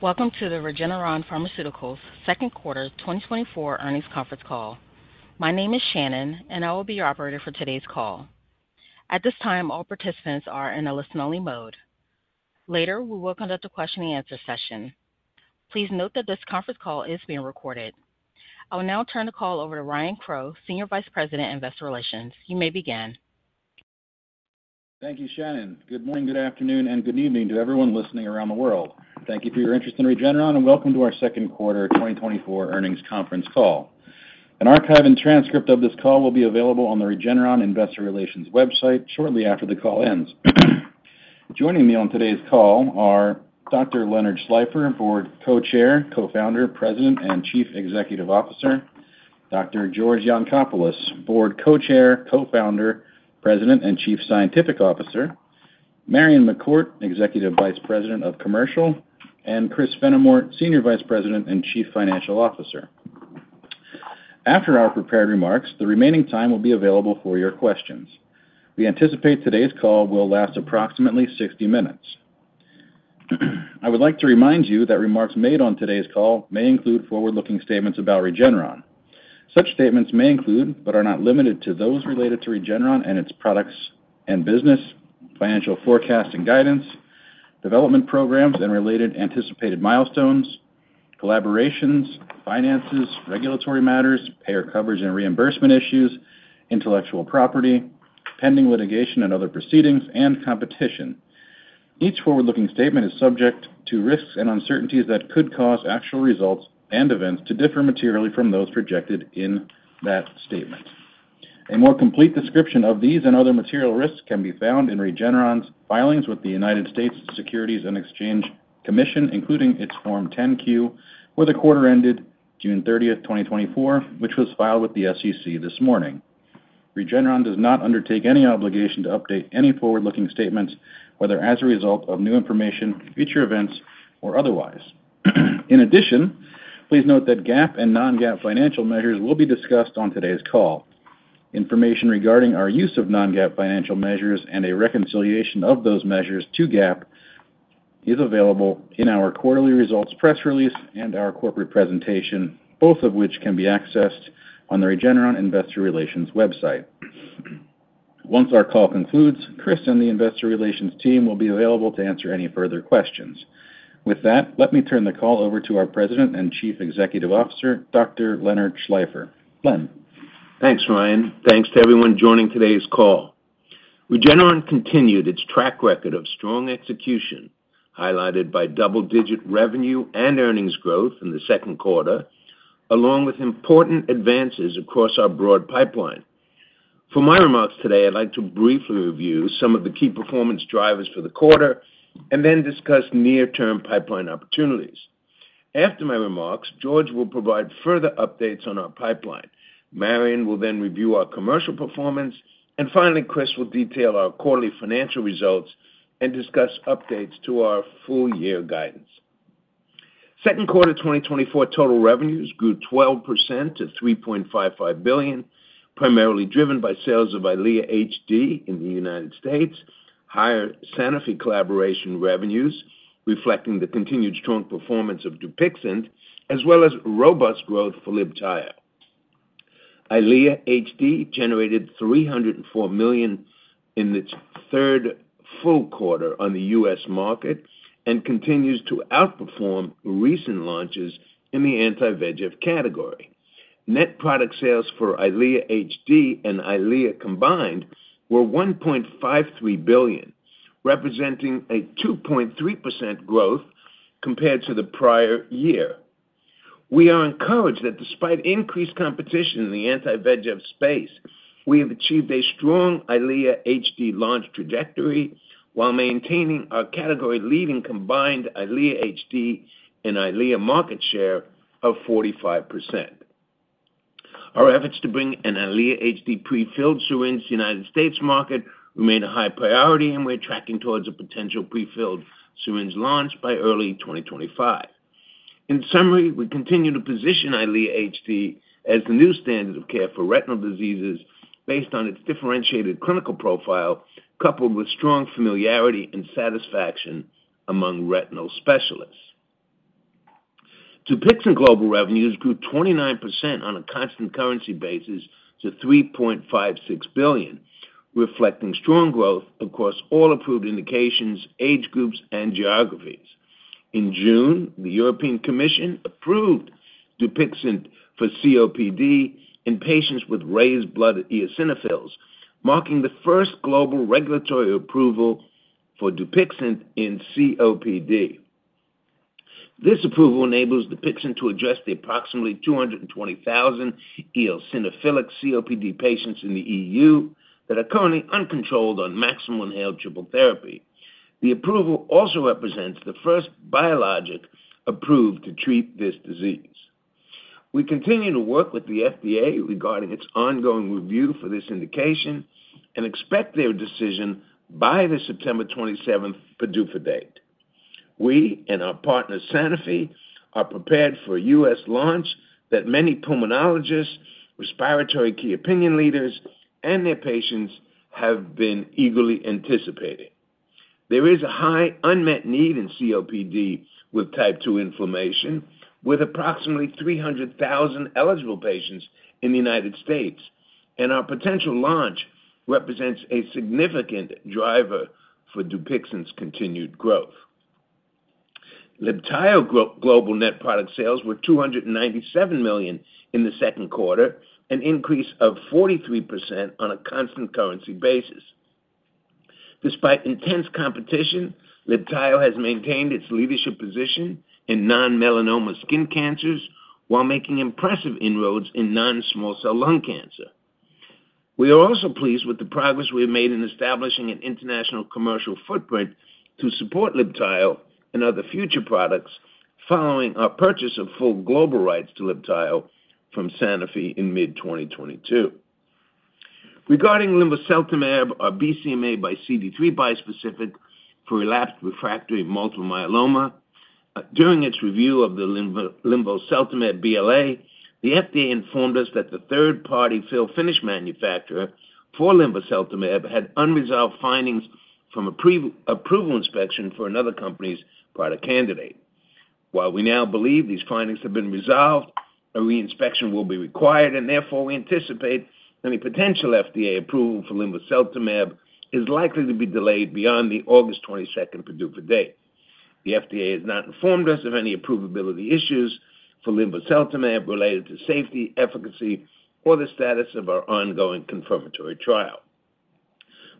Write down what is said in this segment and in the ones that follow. Welcome to the Regeneron Pharmaceuticals second quarter 2024 earnings conference call. My name is Shannon, and I will be your operator for today's call. At this time, all participants are in a listen-only mode. Later, we will conduct a question-and-answer session. Please note that this conference call is being recorded. I will now turn the call over to Ryan Crowe, Senior Vice President, Investor Relations. You may begin. Thank you, Shannon. Good morning, good afternoon, and good evening to everyone listening around the world. Thank you for your interest in Regeneron and welcome to our second quarter 2024 earnings conference call. An archive and transcript of this call will be available on the Regeneron Investor Relations website shortly after the call ends. Joining me on today's call are Dr. Leonard Schleifer, Board Co-Chair, Co-Founder, President, and Chief Executive Officer; Dr. George Yancopoulos, Board Co-Chair, Co-Founder, President, and Chief Scientific Officer; Marion McCourt, Executive Vice President of Commercial; and Chris Fenimore, Senior Vice President and Chief Financial Officer. After our prepared remarks, the remaining time will be available for your questions. We anticipate today's call will last approximately 60 minutes. I would like to remind you that remarks made on today's call may include forward-looking statements about Regeneron. Such statements may include, but are not limited to, those related to Regeneron and its products and business, financial forecast and guidance, development programs and related anticipated milestones, collaborations, finances, regulatory matters, payer coverage and reimbursement issues, intellectual property, pending litigation and other proceedings, and competition. Each forward-looking statement is subject to risks and uncertainties that could cause actual results and events to differ materially from those projected in that statement. A more complete description of these and other material risks can be found in Regeneron's filings with the United States Securities and Exchange Commission, including its Form 10-Q, where the quarter ended June 30, 2024, which was filed with the SEC this morning. Regeneron does not undertake any obligation to update any forward-looking statements, whether as a result of new information, future events, or otherwise. In addition, please note that GAAP and non-GAAP financial measures will be discussed on today's call. Information regarding our use of non-GAAP financial measures and a reconciliation of those measures to GAAP is available in our quarterly results press release and our corporate presentation, both of which can be accessed on the Regeneron Investor Relations website. Once our call concludes, Chris and the Investor Relations team will be available to answer any further questions. With that, let me turn the call over to our President and Chief Executive Officer, Dr. Leonard Schleifer. Len? Thanks, Ryan. Thanks to everyone joining today's call. Regeneron continued its track record of strong execution, highlighted by double-digit revenue and earnings growth in the second quarter, along with important advances across our broad pipeline. For my remarks today, I'd like to briefly review some of the key performance drivers for the quarter and then discuss near-term pipeline opportunities. After my remarks, George will provide further updates on our pipeline. Marion will then review our commercial performance. And finally, Chris will detail our quarterly financial results and discuss updates to our full-year guidance. Second quarter 2024 total revenues grew 12% to $3.55 billion, primarily driven by sales of Eylea HD in the United States, higher Sanofi collaboration revenues reflecting the continued strong performance of Dupixent, as well as robust growth for Libtayo. Eylea HD generated $304 million in its third full quarter on the U.S. market and continues to outperform recent launches in the anti-VEGF category. Net product sales for Eylea HD and Eylea combined were $1.53 billion, representing a 2.3% growth compared to the prior year. We are encouraged that despite increased competition in the anti-VEGF space, we have achieved a strong Eylea HD launch trajectory while maintaining our category-leading combined Eylea HD and Eylea market share of 45%. Our efforts to bring an Eylea HD prefilled syringe to the United States market remain a high priority, and we're tracking towards a potential prefilled syringe launch by early 2025. In summary, we continue to position Eylea HD as the new standard of care for retinal diseases based on its differentiated clinical profile, coupled with strong familiarity and satisfaction among retinal specialists. Dupixent global revenues grew 29% on a constant currency basis to $3.56 billion, reflecting strong growth across all approved indications, age groups, and geographies. In June, the European Commission approved Dupixent for COPD in patients with raised blood eosinophils, marking the first global regulatory approval for Dupixent in COPD. This approval enables Dupixent to address the approximately 220,000 eosinophilic COPD patients in the EU that are currently uncontrolled on maximal inhaled triple therapy. The approval also represents the first biologic approved to treat this disease. We continue to work with the FDA regarding its ongoing review for this indication and expect their decision by the September 27th PDUFA date. We and our partner, Sanofi, are prepared for a U.S. launch that many pulmonologists, respiratory key opinion leaders, and their patients have been eagerly anticipating. There is a high unmet need in COPD with type 2 inflammation, with approximately 300,000 eligible patients in the United States, and our potential launch represents a significant driver for Dupixent's continued growth. Libtayo global net product sales were $297 million in the second quarter, an increase of 43% on a constant currency basis. Despite intense competition, Libtayo has maintained its leadership position in non-melanoma skin cancers while making impressive inroads in non-small cell lung cancer. We are also pleased with the progress we have made in establishing an international commercial footprint to support Libtayo and other future products following our purchase of full global rights to Libtayo from Sanofi in mid-2022. Regarding linvoseltamab, our BCMA x CD3 bispecific for relapsed refractory multiple myeloma, during its review of the linvoseltamab BLA, the FDA informed us that the third-party fill-finish manufacturer for linvoseltamab had unresolved findings from a pre-approval inspection for another company's product candidate. While we now believe these findings have been resolved, a re-inspection will be required, and therefore we anticipate any potential FDA approval for linvoseltamab is likely to be delayed beyond the August 22nd PDUFA date. The FDA has not informed us of any approvability issues for linvoseltamab related to safety, efficacy, or the status of our ongoing confirmatory trial.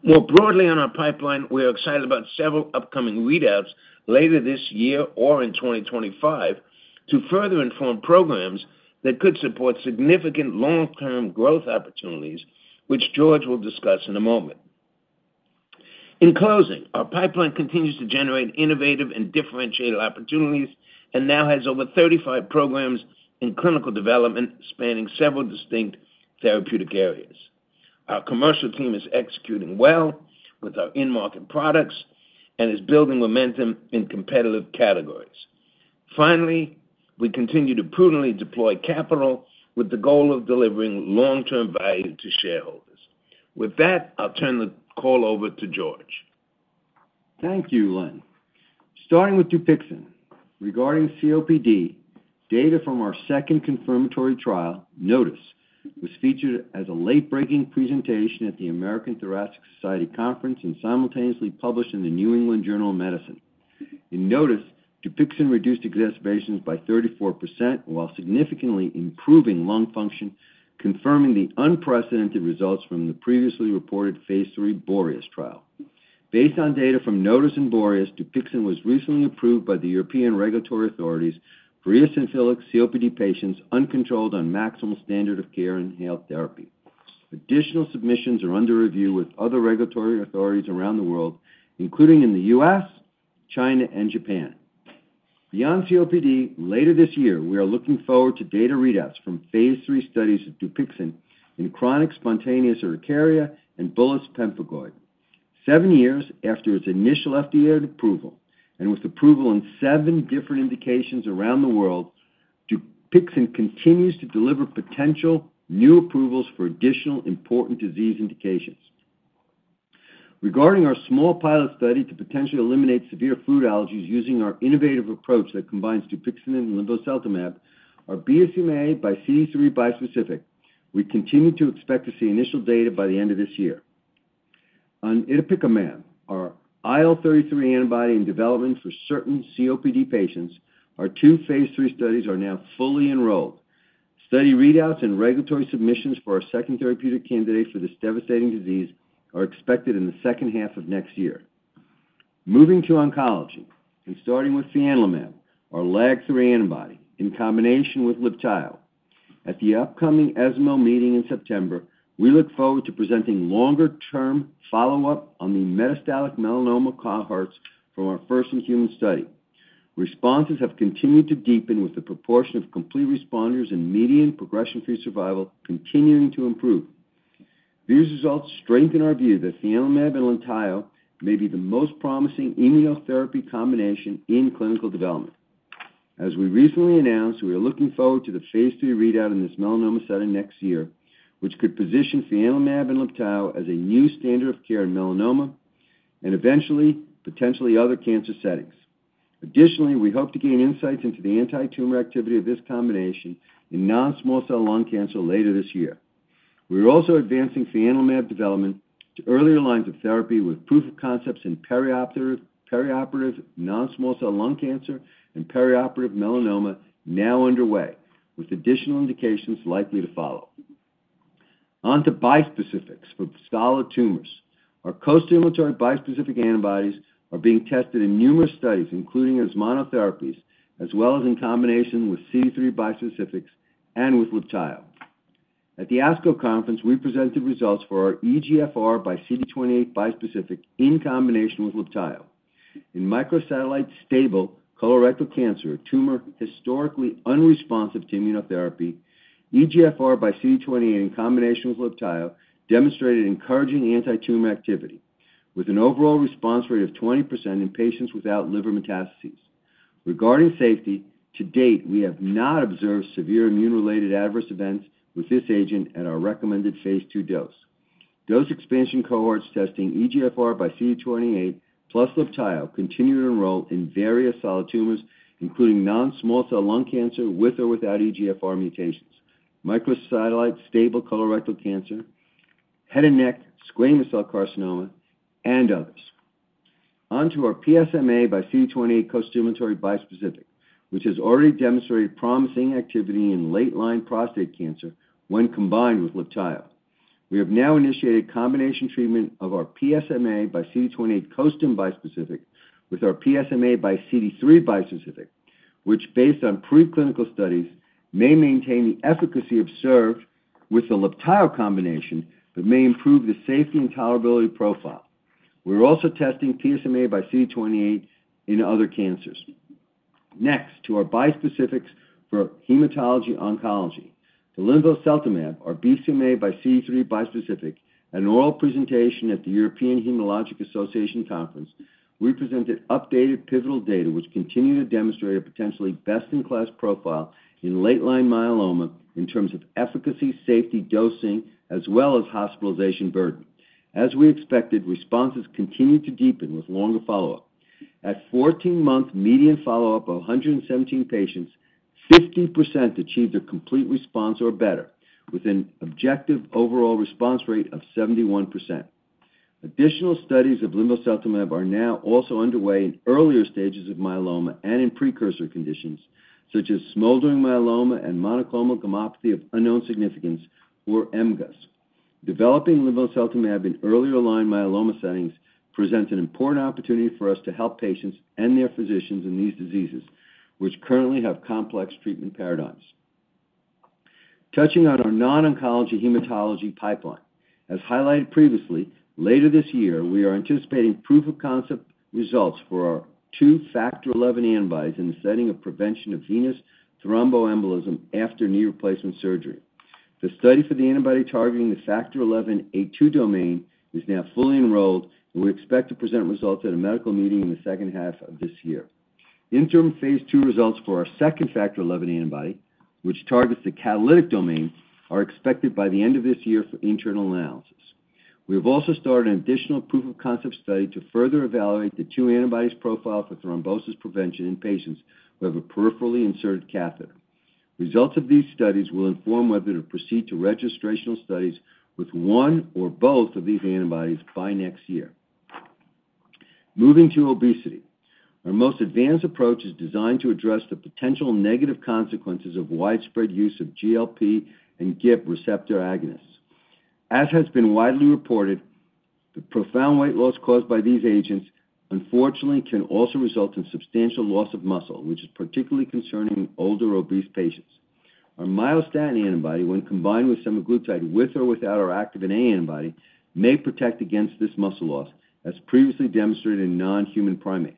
More broadly on our pipeline, we are excited about several upcoming readouts later this year or in 2025 to further inform programs that could support significant long-term growth opportunities, which George will discuss in a moment. In closing, our pipeline continues to generate innovative and differentiated opportunities and now has over 35 programs in clinical development spanning several distinct therapeutic areas. Our commercial team is executing well with our in-market products and is building momentum in competitive categories. Finally, we continue to prudently deploy capital with the goal of delivering long-term value to shareholders. With that, I'll turn the call over to George. Thank you, Glenn. Starting with Dupixent, regarding COPD, data from our second confirmatory trial NOTUS was featured as a late-breaking presentation at the American Thoracic Society Conference and simultaneously published in the New England Journal of Medicine. In NOTUS, Dupixent reduced exacerbations by 34% while significantly improving lung function, confirming the unprecedented results from the previously reported phase 3 BOREAS trial. Based on data from NOTUS and BOREAS, Dupixent was recently approved by the European regulatory authorities for eosinophilic COPD patients uncontrolled on maximal standard of care inhaled therapy. Additional submissions are under review with other regulatory authorities around the world, including in the U.S., China, and Japan. Beyond COPD, later this year, we are looking forward to data readouts from phase 3 studies of Dupixent in chronic spontaneous urticaria and bullous pemphigoid. Seven years after its initial FDA approval and with approval in seven different indications around the world, Dupixent continues to deliver potential new approvals for additional important disease indications. Regarding our small pilot study to potentially eliminate severe food allergies using our innovative approach that combines Dupixent and linvoseltamab, our BCMA x CD3 bispecific, we continue to expect to see initial data by the end of this year. On itepekimab, our IL-33 antibody in development for certain COPD patients, our 2 phase 3 studies are now fully enrolled. Study readouts and regulatory submissions for our second therapeutic candidate for this devastating disease are expected in the second half of next year. Moving to oncology and starting with fianlimab, our LAG-3 antibody in combination with Libtayo. At the upcoming ESMO meeting in September, we look forward to presenting longer-term follow-up on the metastatic melanoma cohorts from our first in-human study. Responses have continued to deepen with the proportion of complete responders and median progression-free survival continuing to improve. These results strengthen our view that fianlimab and Libtayo may be the most promising immunotherapy combination in clinical development. As we recently announced, we are looking forward to the phase 3 readout in this melanoma setting next year, which could position fianlimab and Libtayo as a new standard of care in melanoma and eventually potentially other cancer settings. Additionally, we hope to gain insights into the anti-tumor activity of this combination in non-small cell lung cancer later this year. We are also advancing fianlimab development to earlier lines of therapy with proof of concepts in perioperative non-small cell lung cancer and perioperative melanoma now underway, with additional indications likely to follow. Onto bispecifics for solid tumors. Our co-stimulatory bispecific antibodies are being tested in numerous studies, including as monotherapies, as well as in combination with CD3 bispecifics and with Libtayo. At the ASCO conference, we presented results for our EGFR x CD28 bispecific in combination with Libtayo. In microsatellite stable colorectal cancer, a tumor historically unresponsive to immunotherapy, EGFR x CD28 in combination with Libtayo demonstrated encouraging anti-tumor activity, with an overall response rate of 20% in patients without liver metastases. Regarding safety, to date, we have not observed severe immune-related adverse events with this agent at our recommended phase 2 dose. Dose expansion cohorts testing EGFR x CD28 plus Libtayo continue to enroll in various solid tumors, including non-small cell lung cancer with or without EGFR mutations, microsatellite stable colorectal cancer, head and neck squamous cell carcinoma, and others. Onto our PSMA x CD28 co-stimulatory bispecific, which has already demonstrated promising activity in late-line prostate cancer when combined with Libtayo. We have now initiated combination treatment of our PSMA x CD28 co-stim bispecific with our PSMA x CD3 bispecific, which, based on preclinical studies, may maintain the efficacy observed with the Libtayo combination but may improve the safety and tolerability profile. We're also testing PSMA x CD28 in other cancers. Next to our bispecifics for hematology-oncology. The linvoseltamab, our BCMA x CD3 bispecific, an oral presentation at the European Hematology Association Conference, we presented updated pivotal data, which continue to demonstrate a potentially best-in-class profile in late-line myeloma in terms of efficacy, safety, dosing, as well as hospitalization burden. As we expected, responses continued to deepen with longer follow-up. At 14-month median follow-up of 117 patients, 50% achieved a complete response or better, with an objective overall response rate of 71%. Additional studies of linvoseltamab are now also underway in earlier stages of myeloma and in precursor conditions such as smoldering myeloma and monoclonal gammopathy of unknown significance, or MGUS. Developing linvoseltamab in earlier line myeloma settings presents an important opportunity for us to help patients and their physicians in these diseases, which currently have complex treatment paradigms. Touching on our non-oncology hematology pipeline, as highlighted previously, later this year, we are anticipating proof of concept results for our two Factor XI antibodies in the setting of prevention of venous thromboembolism after knee replacement surgery. The study for the antibody targeting the Factor XI A2 domain is now fully enrolled, and we expect to present results at a medical meeting in the second half of this year. Interim phase 2 results for our second Factor XI antibody, which targets the catalytic domain, are expected by the end of this year for internal analysis. We have also started an additional proof of concept study to further evaluate the two antibodies profile for thrombosis prevention in patients who have a peripherally inserted catheter. Results of these studies will inform whether to proceed to registrational studies with one or both of these antibodies by next year. Moving to obesity, our most advanced approach is designed to address the potential negative consequences of widespread use of GLP and GIP receptor agonists. As has been widely reported, the profound weight loss caused by these agents, unfortunately, can also result in substantial loss of muscle, which is particularly concerning in older obese patients. Our myostatin antibody, when combined with semaglutide with or without our Activin A antibody, may protect against this muscle loss, as previously demonstrated in non-human primates.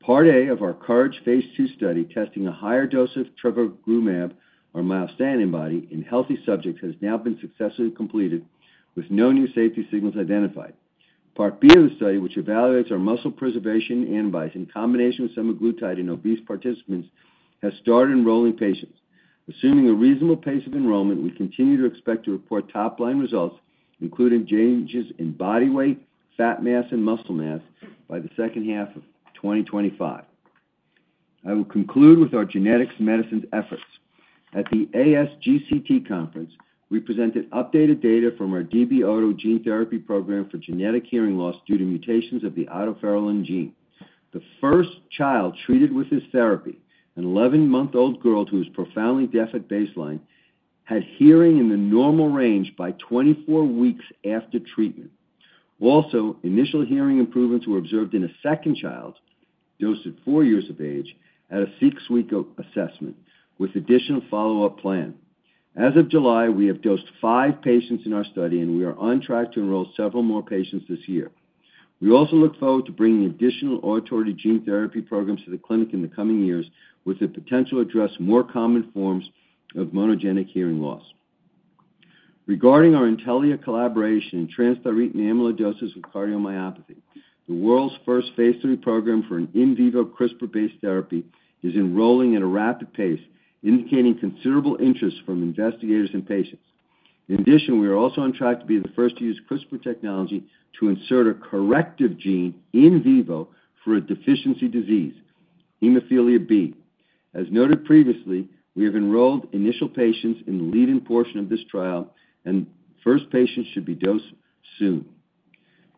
Part A of our COURAGE phase 2 study testing a higher dose of trevogrumab, our myostatin antibody, in healthy subjects has now been successfully completed with no new safety signals identified. Part B of the study, which evaluates our muscle preservation antibodies in combination with semaglutide in obese participants, has started enrolling patients. Assuming a reasonable pace of enrollment, we continue to expect to report top-line results, including changes in body weight, fat mass, and muscle mass by the second half of 2025. I will conclude with our genetics and medicines efforts. At the ASGCT conference, we presented updated data from our DB-OTO gene therapy program for genetic hearing loss due to mutations of the otoferlin gene. The first child treated with this therapy, an 11-month-old girl who is profoundly deaf at baseline, had hearing in the normal range by 24 weeks after treatment. Also, initial hearing improvements were observed in a second child, dosed at 4 years of age, at a 6-week assessment with additional follow-up planned. As of July, we have dosed 5 patients in our study, and we are on track to enroll several more patients this year. We also look forward to bringing additional auditory gene therapy programs to the clinic in the coming years, with the potential to address more common forms of monogenic hearing loss. Regarding our Intellia collaboration in transthyretin amyloidosis with cardiomyopathy, the world's first phase 3 program for an in vivo CRISPR-based therapy is enrolling at a rapid pace, indicating considerable interest from investigators and patients. In addition, we are also on track to be the first to use CRISPR technology to insert a corrective gene in vivo for a deficiency disease, hemophilia B. As noted previously, we have enrolled initial patients in the leading portion of this trial, and first patients should be dosed soon.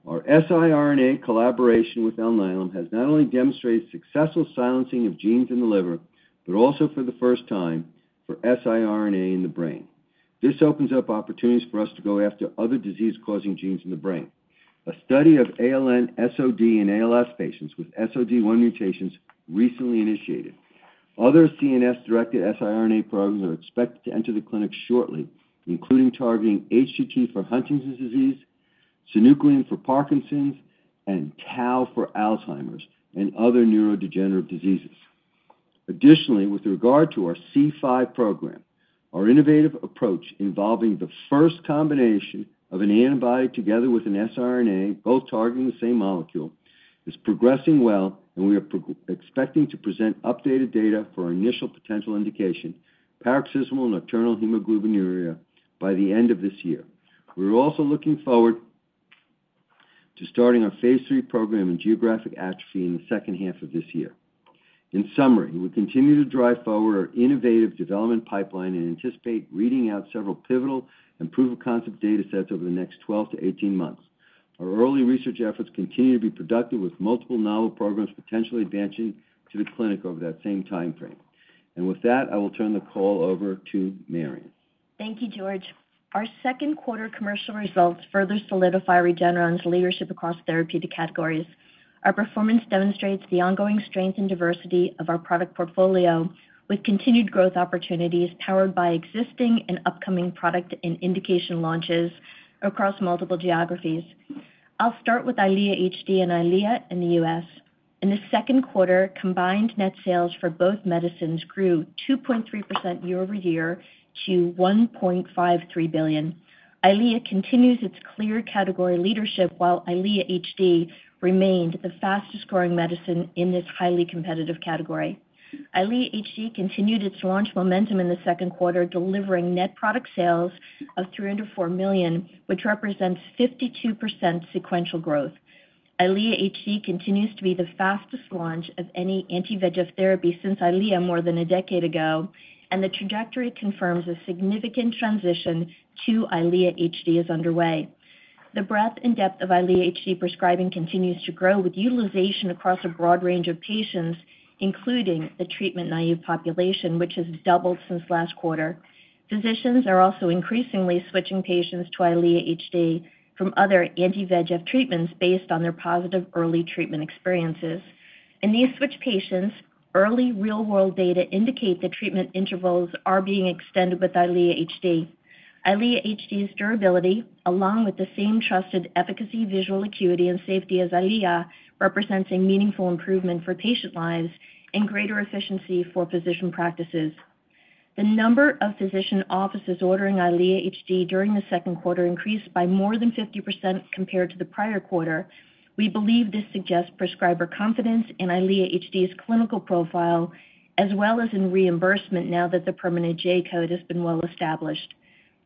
Our siRNA collaboration with Alnylam has not only demonstrated successful silencing of genes in the liver, but also for the first time for siRNA in the brain. This opens up opportunities for us to go after other disease-causing genes in the brain. A study of ALN-SOD and ALS patients with SOD1 mutations recently initiated. Other CNS-directed siRNA programs are expected to enter the clinic shortly, including targeting HTT for Huntington's disease, Synuclein for Parkinson's, and Tau for Alzheimer's and other neurodegenerative diseases. Additionally, with regard to our C5 program, our innovative approach involving the first combination of an antibody together with an siRNA, both targeting the same molecule, is progressing well, and we are expecting to present updated data for our initial potential indication, paroxysmal nocturnal hemoglobinuria, by the end of this year. We're also looking forward to starting our phase 3 program in geographic atrophy in the second half of this year. In summary, we continue to drive forward our innovative development pipeline and anticipate reading out several pivotal and proof of concept data sets over the next 12-18 months. Our early research efforts continue to be productive, with multiple novel programs potentially advancing to the clinic over that same timeframe. With that, I will turn the call over to Marion. Thank you, George. Our second quarter commercial results further solidify Regeneron's leadership across therapeutic categories. Our performance demonstrates the ongoing strength and diversity of our product portfolio, with continued growth opportunities powered by existing and upcoming product and indication launches across multiple geographies. I'll start with Eylea HD and Eylea in the U.S. In the second quarter, combined net sales for both medicines grew 2.3% year-over-year to $1.53 billion. Eylea continues its clear category leadership, while Eylea HD remained the fastest-growing medicine in this highly competitive category. Eylea HD continued its launch momentum in the second quarter, delivering net product sales of $304 million, which represents 52% sequential growth. Eylea HD continues to be the fastest launch of any anti-VEGF therapy since Eylea more than a decade ago, and the trajectory confirms a significant transition to Eylea HD is underway. The breadth and depth of Eylea HD prescribing continues to grow, with utilization across a broad range of patients, including the treatment naive population, which has doubled since last quarter. Physicians are also increasingly switching patients to Eylea HD from other anti-VEGF treatments based on their positive early treatment experiences. In these switch patients, early real-world data indicate that treatment intervals are being extended with Eylea HD. Eylea HD's durability, along with the same trusted efficacy, visual acuity, and safety as Eylea, represents a meaningful improvement for patient lives and greater efficiency for physician practices. The number of physician offices ordering Eylea HD during the second quarter increased by more than 50% compared to the prior quarter. We believe this suggests prescriber confidence in Eylea HD's clinical profile, as well as in reimbursement, now that the permanent J code has been well established.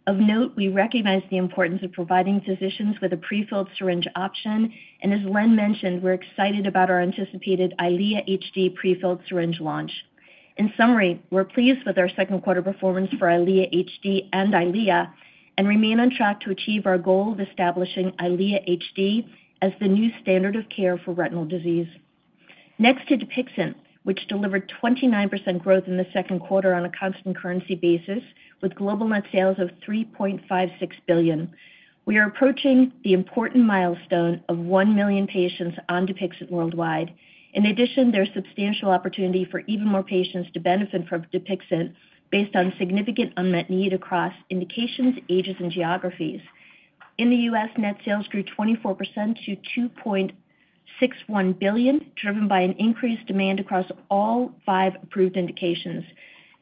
Of note, we recognize the importance of providing physicians with a prefilled syringe option, and as Len mentioned, we're excited about our anticipated Eylea HD prefilled syringe launch. In summary, we're pleased with our second quarter performance for Eylea HD and Eylea and remain on track to achieve our goal of establishing Eylea HD as the new standard of care for retinal disease. Next to Dupixent, which delivered 29% growth in the second quarter on a constant currency basis with global net sales of $3.56 billion, we are approaching the important milestone of 1 million patients on Dupixent worldwide. In addition, there's substantial opportunity for even more patients to benefit from Dupixent based on significant unmet need across indications, ages, and geographies. In the U.S., net sales grew 24% to $2.61 billion, driven by an increased demand across all five approved indications.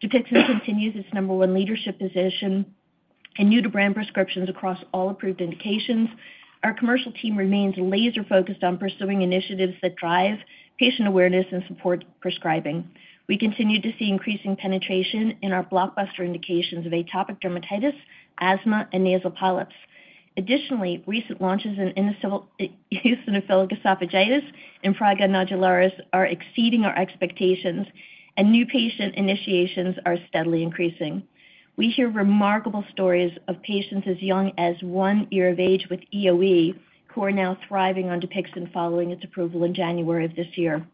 Dupixent continues its number one leadership position and new-to-brand prescriptions across all approved indications. Our commercial team remains laser-focused on pursuing initiatives that drive patient awareness and support prescribing. We continue to see increasing penetration in our blockbuster indications of atopic dermatitis, asthma, and nasal polyps. Additionally, recent launches in eosinophilic esophagitis and prurigo nodularis are exceeding our expectations, and new patient initiations are steadily increasing. We hear remarkable stories of patients as young as one year of age with EOE who are now thriving on Dupixent following its approval in January of this year.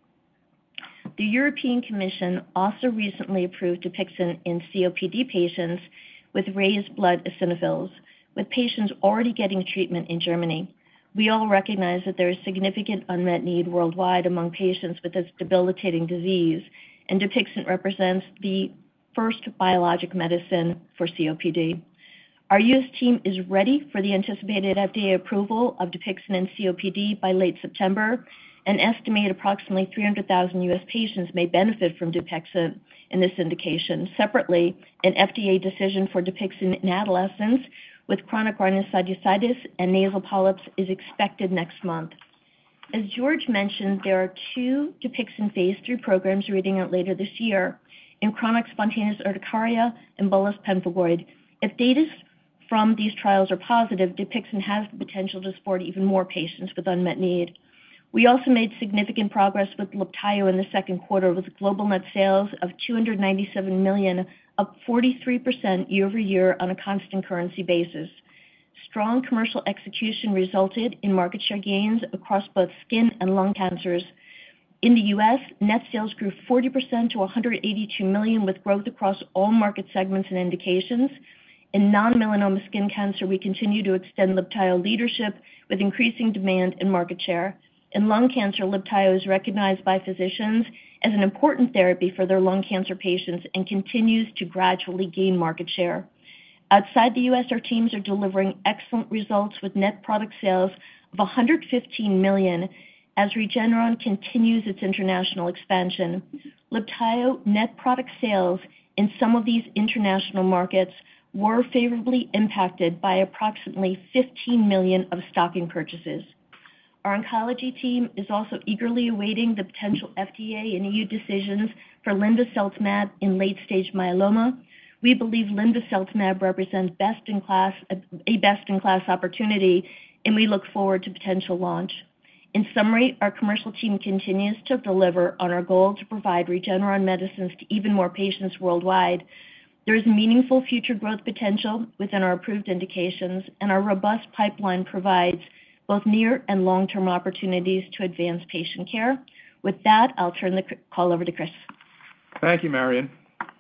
The European Commission also recently approved Dupixent in COPD patients with raised blood eosinophils, with patients already getting treatment in Germany. We all recognize that there is significant unmet need worldwide among patients with this debilitating disease, and Dupixent represents the first biologic medicine for COPD. Our U.S. team is ready for the anticipated FDA approval of Dupixent in COPD by late September, and estimate approximately 300,000 U.S. patients may benefit from Dupixent in this indication. Separately, an FDA decision for Dupixent in adolescents with chronic rhinosinusitis and nasal polyps is expected next month. As George mentioned, there are two Dupixent phase three programs reading out later this year in chronic spontaneous urticaria and bullous pemphigoid. If data from these trials are positive, Dupixent has the potential to support even more patients with unmet need. We also made significant progress with Libtayo in the second quarter, with global net sales of $297 million, up 43% year-over-year on a constant currency basis. Strong commercial execution resulted in market share gains across both skin and lung cancers. In the U.S., net sales grew 40% to $182 million, with growth across all market segments and indications. In non-melanoma skin cancer, we continue to extend Libtayo leadership with increasing demand and market share. In lung cancer, Libtayo is recognized by physicians as an important therapy for their lung cancer patients and continues to gradually gain market share. Outside the U.S., our teams are delivering excellent results with net product sales of $115 million as Regeneron continues its international expansion. Libtayo net product sales in some of these international markets were favorably impacted by approximately $15 million of stocking purchases. Our oncology team is also eagerly awaiting the potential FDA and E.U. decisions for linvoseltamab in late-stage myeloma. We believe linvoseltamab represents a best-in-class opportunity, and we look forward to potential launch. In summary, our commercial team continues to deliver on our goal to provide Regeneron medicines to even more patients worldwide. There is meaningful future growth potential within our approved indications, and our robust pipeline provides both near and long-term opportunities to advance patient care. With that, I'll turn the call over to Chris. Thank you, Marion.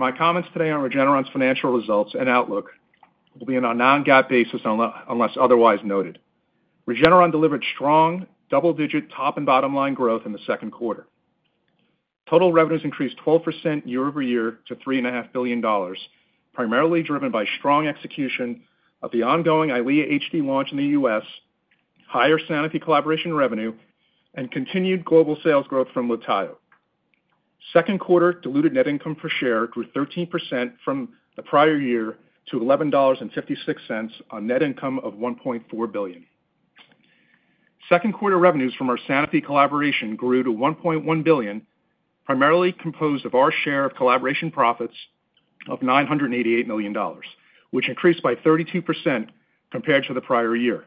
My comments today on Regeneron's financial results and outlook will be on a Non-GAAP basis unless otherwise noted. Regeneron delivered strong double-digit top and bottom line growth in the second quarter. Total revenues increased 12% year-over-year to $3.5 billion, primarily driven by strong execution of the ongoing Eylea HD launch in the U.S., higher Sanofi collaboration revenue, and continued global sales growth from Libtayo. Second quarter diluted net income per share grew 13% from the prior year to $11.56 on net income of $1.4 billion. Second quarter revenues from our Sanofi collaboration grew to $1.1 billion, primarily composed of our share of collaboration profits of $988 million, which increased by 32% compared to the prior year,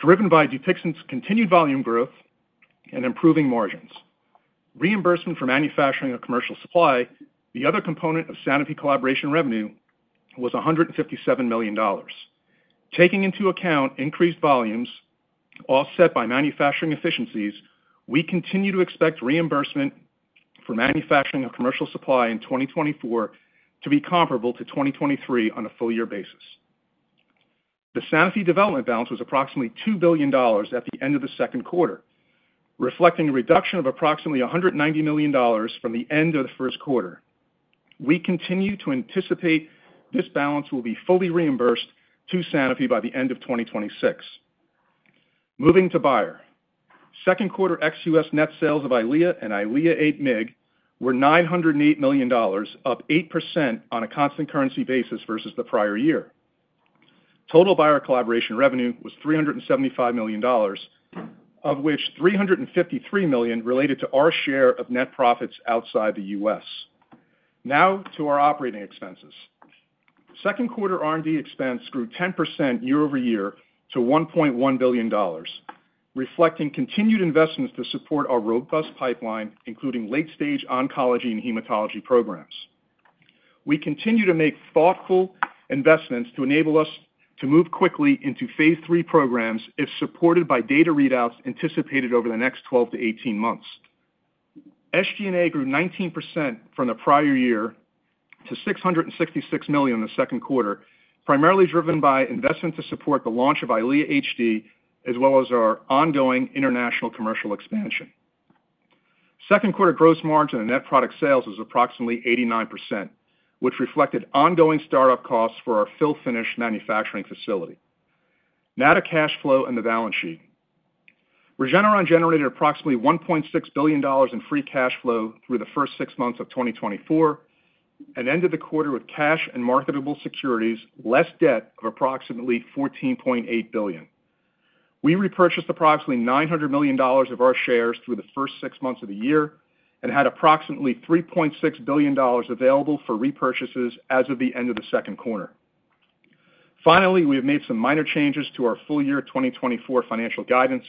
driven by Dupixent's continued volume growth and improving margins. Reimbursement for manufacturing of commercial supply, the other component of Sanofi collaboration revenue, was $157 million. Taking into account increased volumes offset by manufacturing efficiencies, we continue to expect reimbursement for manufacturing of commercial supply in 2024 to be comparable to 2023 on a full-year basis. The Sanofi development balance was approximately $2 billion at the end of the second quarter, reflecting a reduction of approximately $190 million from the end of the first quarter. We continue to anticipate this balance will be fully reimbursed to Sanofi by the end of 2026. Moving to Bayer, second quarter ex-U.S. Net sales of Eylea and Eylea HD were $908 million, up 8% on a constant currency basis versus the prior year. Total Sanofi collaboration revenue was $375 million, of which $353 million related to our share of net profits outside the U.S. Now to our operating expenses. Second quarter R&D expense grew 10% year-over-year to $1.1 billion, reflecting continued investments to support our robust pipeline, including late-stage oncology and hematology programs. We continue to make thoughtful investments to enable us to move quickly into phase three programs if supported by data readouts anticipated over the next 12 to 18 months. SG&A grew 19% from the prior year to $666 million in the second quarter, primarily driven by investment to support the launch of Eylea HD, as well as our ongoing international commercial expansion. Second quarter gross margin and net product sales was approximately 89%, which reflected ongoing startup costs for our fill-finish manufacturing facility. Now to cash flow and the balance sheet. Regeneron generated approximately $1.6 billion in free cash flow through the first six months of 2024 and ended the quarter with cash and marketable securities, less debt of approximately $14.8 billion. We repurchased approximately $900 million of our shares through the first six months of the year and had approximately $3.6 billion available for repurchases as of the end of the second quarter. Finally, we have made some minor changes to our full year 2024 financial guidance.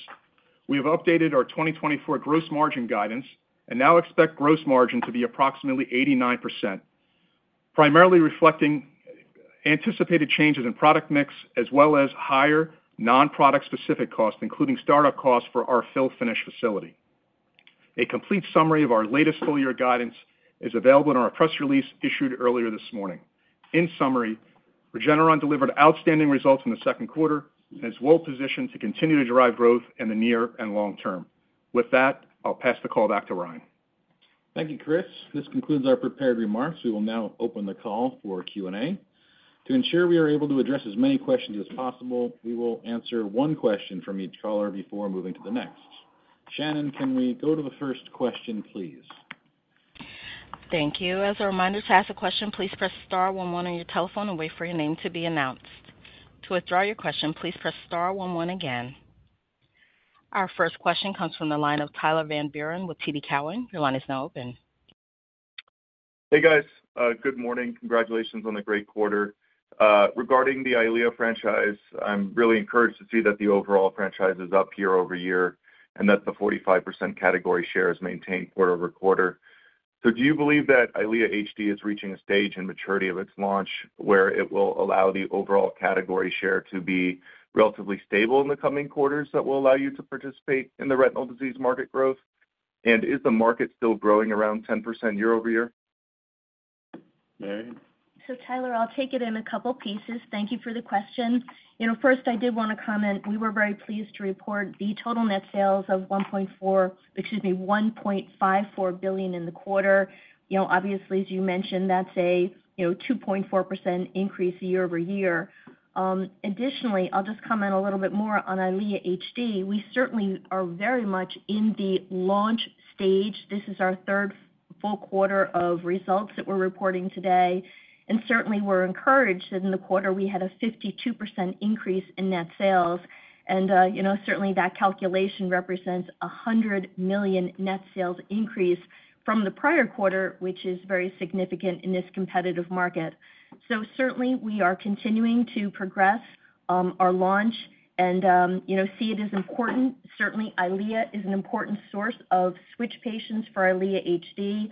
We have updated our 2024 gross margin guidance and now expect gross margin to be approximately 89%, primarily reflecting anticipated changes in product mix, as well as higher non-product specific costs, including startup costs for our fill-finish facility. A complete summary of our latest full year guidance is available in our press release issued earlier this morning. In summary, Regeneron delivered outstanding results in the second quarter and is well positioned to continue to drive growth in the near and long term. With that, I'll pass the call back to Ryan. Thank you, Chris. This concludes our prepared remarks. We will now open the call for Q&A. To ensure we are able to address as many questions as possible, we will answer one question from each caller before moving to the next. Shannon, can we go to the first question, please? Thank you. As a reminder to ask a question, please press star one one on your telephone and wait for your name to be announced. To withdraw your question, please press star one one again. Our first question comes from the line of Tyler Van Buren with TD Cowen. Your line is now open. Hey, guys. Good morning. Congratulations on the great quarter. Regarding the Eylea franchise, I'm really encouraged to see that the overall franchise is up year-over-year and that the 45% category share is maintained quarter-over-quarter. So do you believe that Eylea HD is reaching a stage in maturity of its launch where it will allow the overall category share to be relatively stable in the coming quarters that will allow you to participate in the retinal disease market growth? And is the market still growing around 10% year-over-year? So Tyler, I'll take it in a couple pieces. Thank you for the question. First, I did want to comment. We were very pleased to report the total net sales of $1.4 billion, excuse me, $1.54 billion in the quarter. Obviously, as you mentioned, that's a 2.4% increase year-over-year. Additionally, I'll just comment a little bit more on Eylea HD. We certainly are very much in the launch stage. This is our third full quarter of results that we're reporting today. Certainly, we're encouraged that in the quarter we had a 52% increase in net sales. Certainly, that calculation represents a $100 million net sales increase from the prior quarter, which is very significant in this competitive market. Certainly, we are continuing to progress our launch and see it as important. Certainly, Eylea is an important source of switch patients for Eylea HD.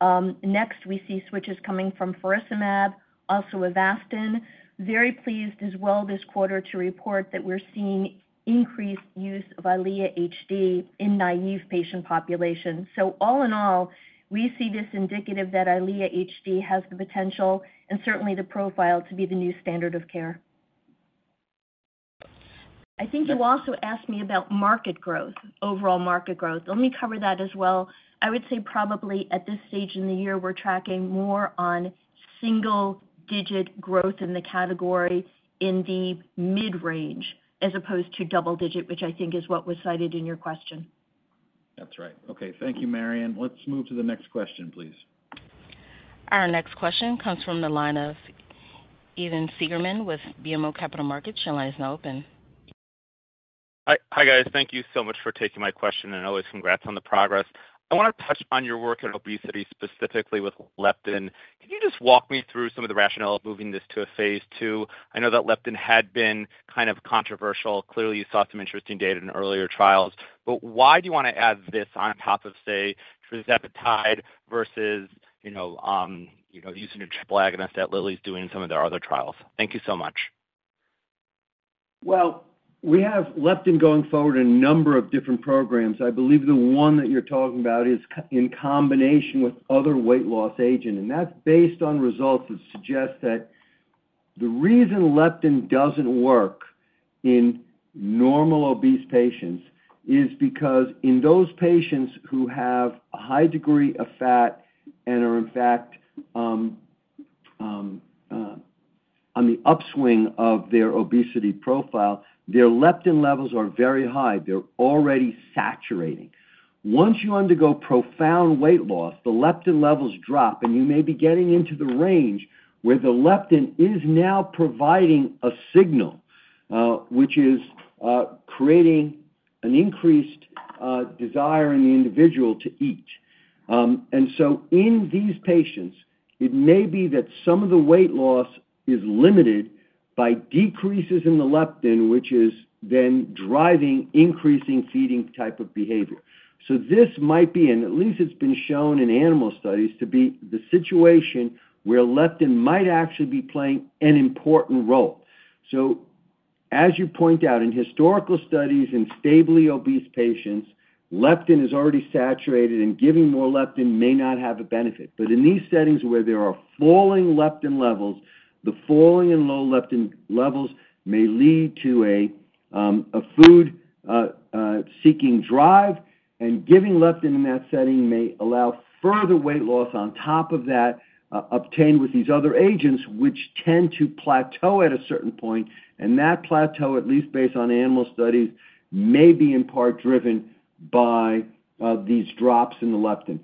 Next, we see switches coming from faricimab, also Avastin. Very pleased as well this quarter to report that we're seeing increased use of Eylea HD in naive patient populations. All in all, we see this indicative that Eylea HD has the potential and certainly the profile to be the new standard of care. I think you also asked me about market growth, overall market growth. Let me cover that as well. I would say probably at this stage in the year, we're tracking more on single-digit growth in the category in the mid-range as opposed to double-digit, which I think is what was cited in your question. That's right. Okay. Thank you, Marion. Let's move to the next question, please. Our next question comes from the line of Evan Seigerman with BMO Capital Markets. Your line is now open. Hi, guys. Thank you so much for taking my question and always congrats on the progress. I want to touch on your work at obesity, specifically with leptin. Can you just walk me through some of the rationale of moving this to a phase 2? I know that leptin had been kind of controversial. Clearly, you saw some interesting data in earlier trials. But why do you want to add this on top of, say, tirzepatide versus using a triple agonist that Lilly's doing in some of their other trials? Thank you so much. Well, we have leptin going forward in a number of different programs. I believe the one that you're talking about is in combination with other weight loss agents. And that's based on results that suggest that the reason leptin doesn't work in normal obese patients is because in those patients who have a high degree of fat and are, in fact, on the upswing of their obesity profile, their leptin levels are very high. They're already saturating. Once you undergo profound weight loss, the leptin levels drop, and you may be getting into the range where the leptin is now providing a signal, which is creating an increased desire in the individual to eat. And so in these patients, it may be that some of the weight loss is limited by decreases in the leptin, which is then driving increasing feeding type of behavior. So this might be, and at least it's been shown in animal studies, to be the situation where leptin might actually be playing an important role. So as you point out, in historical studies in stably obese patients, leptin is already saturated, and giving more leptin may not have a benefit. In these settings where there are falling leptin levels, the falling and low leptin levels may lead to a food-seeking drive, and giving leptin in that setting may allow further weight loss on top of that obtained with these other agents, which tend to plateau at a certain point. That plateau, at least based on animal studies, may be in part driven by these drops in the leptin.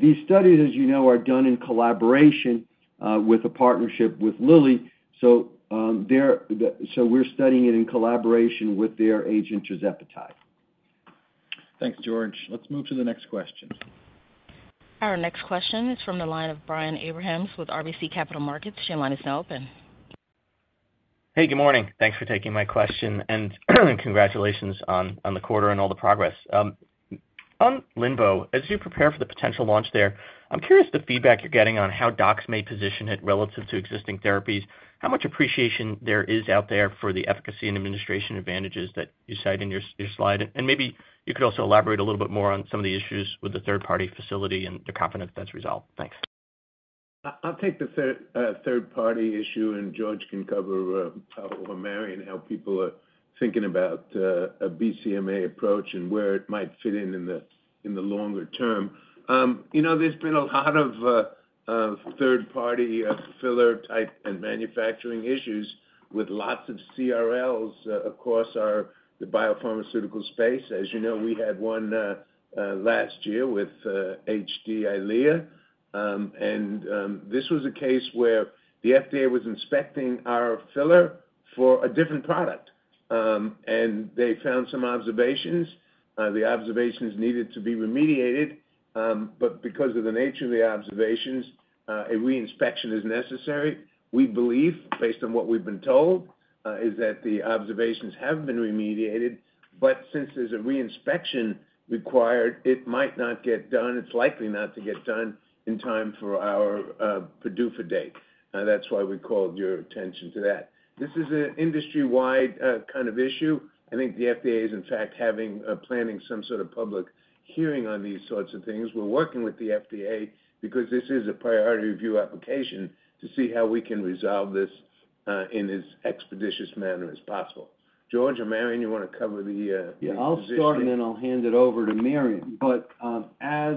These studies, as you know, are done in collaboration with a partnership with Lilly. So we're studying it in collaboration with their agent, tirzepatide. Thanks, George. Let's move to the next question. Our next question is from the line of Brian Abrahams with RBC Capital Markets. Your line is now open. Hey, good morning. Thanks for taking my question, and congratulations on the quarter and all the progress. On linvoseltamab, as you prepare for the potential launch there, I'm curious the feedback you're getting on how docs may position it relative to existing therapies. How much appreciation there is out there for the efficacy and administration advantages that you cite in your slide? And maybe you could also elaborate a little bit more on some of the issues with the third-party facility and the confidence that's resolved. Thanks. I'll take the third-party issue, and George can cover or Marion how people are thinking about a BCMA approach and where it might fit in in the longer term. There's been a lot of third-party filler-type and manufacturing issues with lots of CRLs across the biopharmaceutical space. As you know, we had one last year with Eylea HD. And this was a case where the FDA was inspecting our filler for a different product. And they found some observations. The observations needed to be remediated. But because of the nature of the observations, a reinspection is necessary. We believe, based on what we've been told, is that the observations have been remediated. But since there's a reinspection required, it might not get done. It's likely not to get done in time for our PDUFA date. That's why we called your attention to that. This is an industry-wide kind of issue. I think the FDA is, in fact, planning some sort of public hearing on these sorts of things. We're working with the FDA because this is a priority review application to see how we can resolve this in as expeditious manner as possible. George, or Marion, you want to cover the position? Yeah, I'll start, and then I'll hand it over to Marion. But as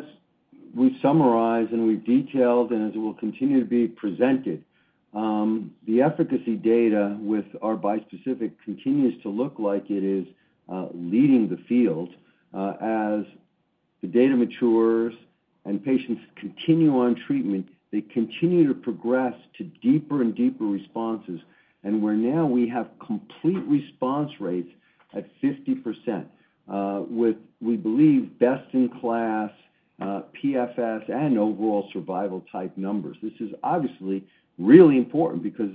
we summarized and we've detailed, and as it will continue to be presented, the efficacy data with our bispecific continues to look like it is leading the field. As the data matures and patients continue on treatment, they continue to progress to deeper and deeper responses. And where now we have complete response rates at 50% with, we believe, best-in-class PFS and overall survival-type numbers. This is obviously really important because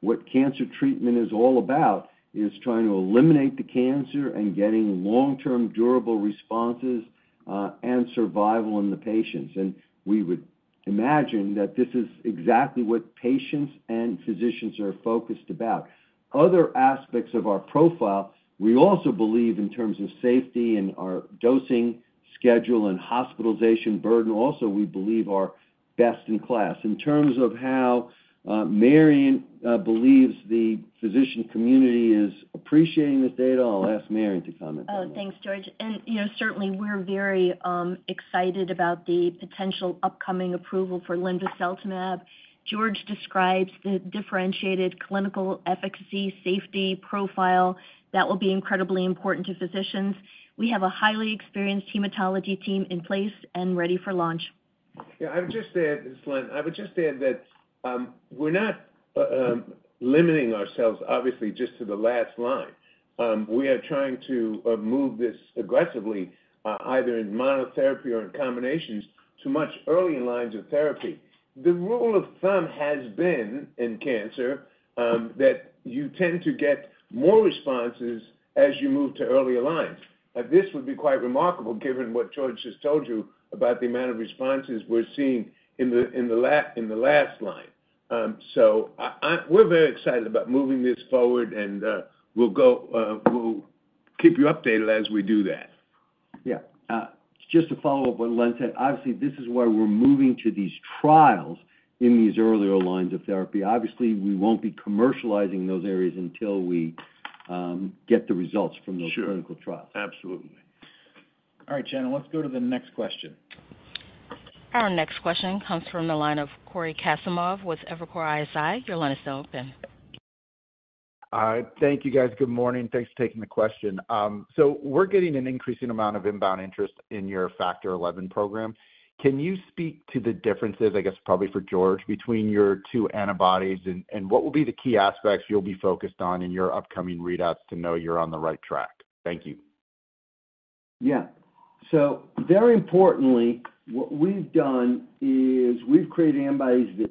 what cancer treatment is all about is trying to eliminate the cancer and getting long-term durable responses and survival in the patients. And we would imagine that this is exactly what patients and physicians are focused about. Other aspects of our profile, we also believe in terms of safety and our dosing schedule and hospitalization burden, also we believe are best in class. In terms of how Marion believes the physician community is appreciating this data, I'll ask Marion to comment on that. Thanks, George. And certainly, we're very excited about the potential upcoming approval for linvoseltamab. George describes the differentiated clinical efficacy, safety profile that will be incredibly important to physicians. We have a highly experienced hematology team in place and ready for launch. Yeah, I would just add, so, Len I would just add that we're not limiting ourselves, obviously, just to the last line. We are trying to move this aggressively, either in monotherapy or in combinations, to much earlier lines of therapy. The rule of thumb has been in cancer that you tend to get more responses as you move to earlier lines. This would be quite remarkable given what George just told you about the amount of responses we're seeing in the last line. So we're very excited about moving this forward, and we'll keep you updated as we do that. Yeah. Just to follow up on what Len said, obviously, this is where we're moving to these trials in these earlier lines of therapy. Obviously, we won't be commercializing those areas until we get the results from those clinical trials. Sure. Absolutely. All right, Shannon, let's go to the next question. Our next question comes from the line of Cory Kasimov with Evercore ISI. Your line is now open. All right. Thank you, guys. Good morning. Thanks for taking the question. So we're getting an increasing amount of inbound interest in your Factor XI program. Can you speak to the differences, I guess probably for George, between your two antibodies? And what will be the key aspects you'll be focused on in your upcoming readouts to know you're on the right track? Thank you. Yeah. So very importantly, what we've done is we've created antibodies that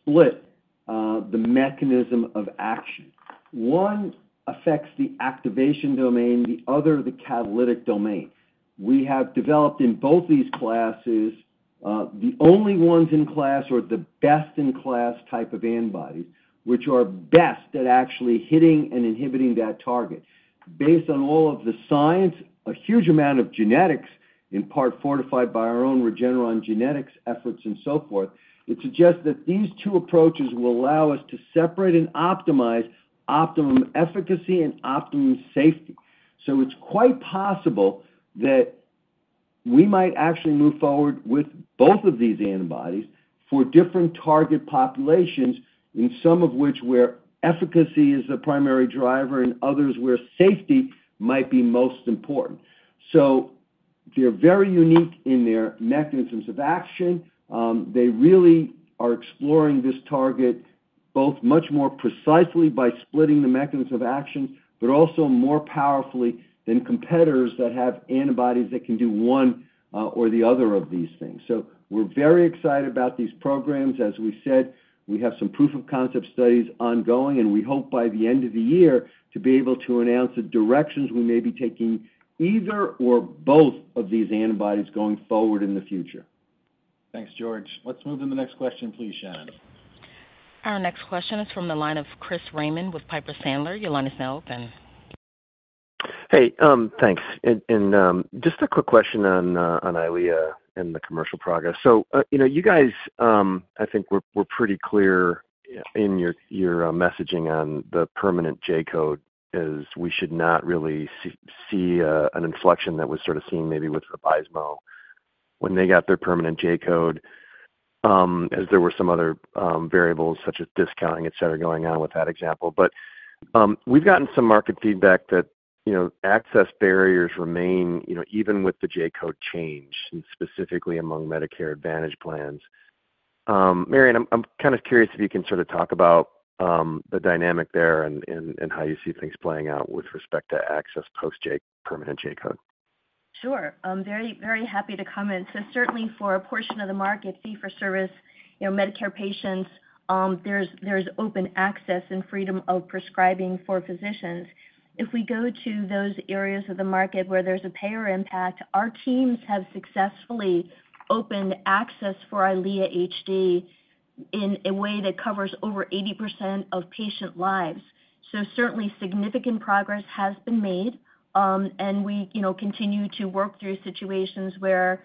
split the mechanism of action. One affects the activation domain. The other, the catalytic domain. We have developed in both these classes the only ones in class or the best-in-class type of antibodies, which are best at actually hitting and inhibiting that target. Based on all of the science, a huge amount of genetics, in part fortified by our own Regeneron genetics efforts and so forth, it suggests that these two approaches will allow us to separate and optimize optimum efficacy and optimum safety. So it's quite possible that we might actually move forward with both of these antibodies for different target populations, in some of which where efficacy is the primary driver and others where safety might be most important. So they're very unique in their mechanisms of action. They really are exploring this target both much more precisely by splitting the mechanism of action, but also more powerfully than competitors that have antibodies that can do one or the other of these things. So we're very excited about these programs. As we said, we have some proof-of-concept studies ongoing, and we hope by the end of the year to be able to announce the directions we may be taking either or both of these antibodies going forward in the future. Thanks, George. Let's move to the next question, please, Shannon. Our next question is from the line of Chris Raymond with Piper Sandler. Your line is now open. Hey, thanks. And just a quick question on Eylea and the commercial progress. So you guys, I think we're pretty clear in your messaging on the permanent J code as we should not really see an inflection that was sort of seen maybe with Vabysmo when they got their permanent J code, as there were some other variables such as discounting, etc., going on with that example. But we've gotten some market feedback that access barriers remain even with the J code change, specifically among Medicare Advantage plans. Marion, I'm kind of curious if you can sort of talk about the dynamic there and how you see things playing out with respect to access post permanent J code. Sure. Very happy to comment. So certainly, for a portion of the market, fee-for-service Medicare patients, there's open access and freedom of prescribing for physicians. If we go to those areas of the market where there's a payer impact, our teams have successfully opened access for Eylea HD in a way that covers over 80% of patient lives. So certainly, significant progress has been made. And we continue to work through situations where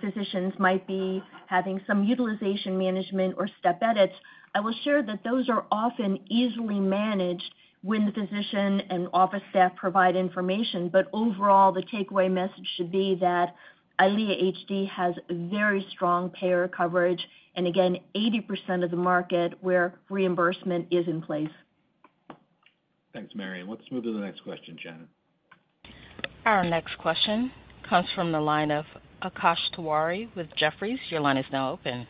physicians might be having some utilization management or step edits. I will share that those are often easily managed when the physician and office staff provide information. But overall, the takeaway message should be that Eylea HD has very strong payer coverage. And again, 80% of the market where reimbursement is in place. Thanks, Marion. Let's move to the next question, Shannon. Our next question comes from the line of Akash Tewari with Jefferies. Your line is now open.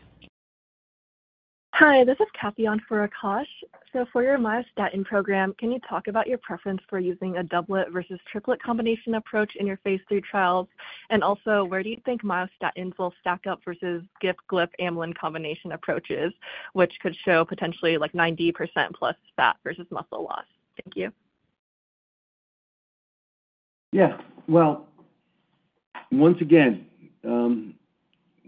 Hi, this is Kathy on for Akash. So for your myostatin program, can you talk about your preference for using a doublet versus triplet combination approach in your phase 3 trials? And also, where do you think myostatin will stack up versus GIP, GLP, amylin combination approaches, which could show potentially like 90%+ fat versus muscle loss? Thank you. Yeah. Well, once again,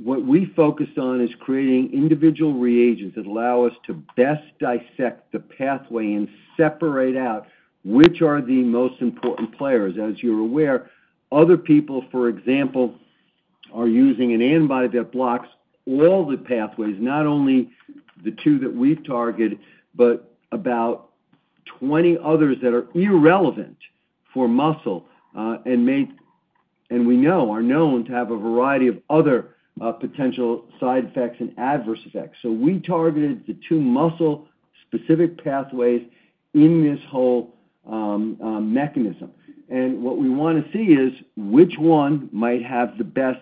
what we focus on is creating individual reagents that allow us to best dissect the pathway and separate out which are the most important players. As you're aware, other people, for example, are using an antibody that blocks all the pathways, not only the two that we've targeted, but about 20 others that are irrelevant for muscle and we know are known to have a variety of other potential side effects and adverse effects. So we targeted the two muscle-specific pathways in this whole mechanism. What we want to see is which one might have the best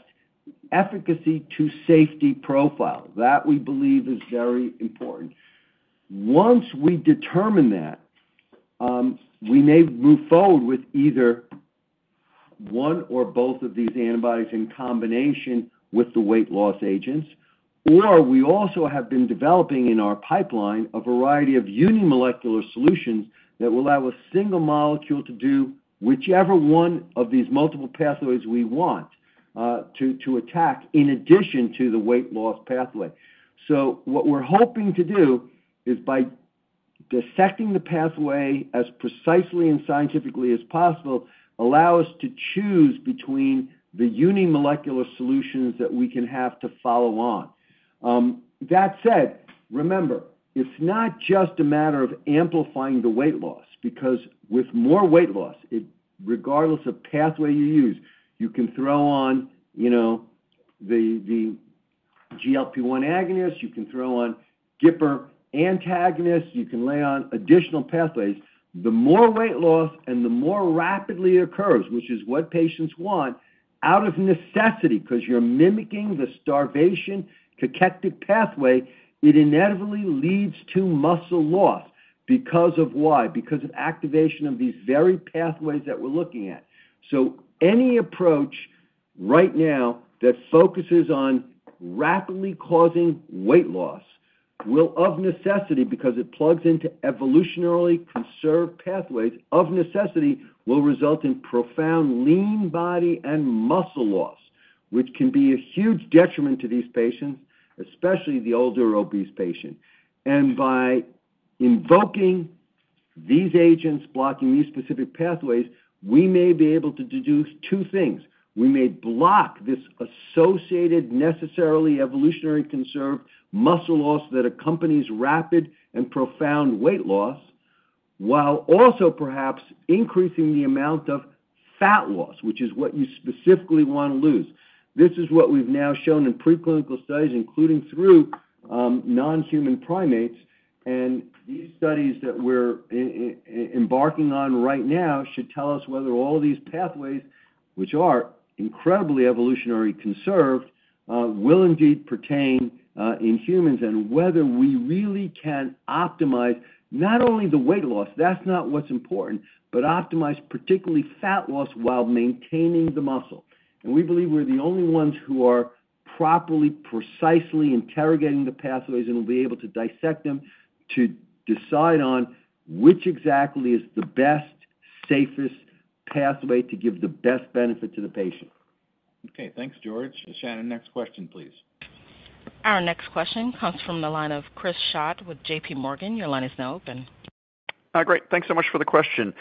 efficacy to safety profile. That we believe is very important. Once we determine that, we may move forward with either one or both of these antibodies in combination with the weight loss agents. Or we also have been developing in our pipeline a variety of unimolecular solutions that will allow a single molecule to do whichever one of these multiple pathways we want to attack in addition to the weight loss pathway. So what we're hoping to do is by dissecting the pathway as precisely and scientifically as possible, allow us to choose between the unimolecular solutions that we can have to follow on. That said, remember, it's not just a matter of amplifying the weight loss because with more weight loss, regardless of pathway you use, you can throw on the GLP-1 agonists, you can throw on GDF antagonists, you can lay on additional pathways. The more weight loss and the more rapidly it occurs, which is what patients want, out of necessity because you're mimicking the starvation-catabolic pathway, it inevitably leads to muscle loss. Because of why? Because of activation of these very pathways that we're looking at. So any approach right now that focuses on rapidly causing weight loss will, of necessity, because it plugs into evolutionarily conserved pathways, of necessity, will result in profound lean body and muscle loss, which can be a huge detriment to these patients, especially the older obese patient. And by invoking these agents, blocking these specific pathways, we may be able to address two things. We may block this associated, necessarily evolutionarily conserved muscle loss that accompanies rapid and profound weight loss while also perhaps increasing the amount of fat loss, which is what you specifically want to lose. This is what we've now shown in preclinical studies, including through non-human primates. These studies that we're embarking on right now should tell us whether all these pathways, which are incredibly evolutionarily conserved, will indeed pertain in humans and whether we really can optimize not only the weight loss, that's not what's important, but optimize particularly fat loss while maintaining the muscle. We believe we're the only ones who are properly, precisely interrogating the pathways and will be able to dissect them to decide on which exactly is the best, safest pathway to give the best benefit to the patient. Okay. Thanks, George. Shannon, next question, please. Our next question comes from the line of Chris Schott with JPMorgan. Your line is now open. Great. Thanks so much for the question.